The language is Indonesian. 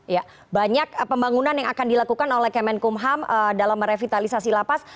ya banyak pembangunan yang akan dilakukan oleh kemenkumham dalam merevitalisasi lapas